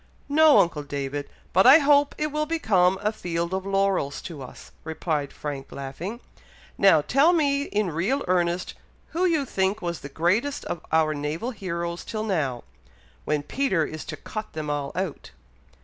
"No, uncle David! but I hope it will become a field of laurels to us," replied Frank, laughing. "Now tell me in real earnest who you think was the greatest of our naval heroes till now, when Peter is to cut them all out."